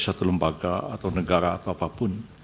satu lembaga atau negara atau apapun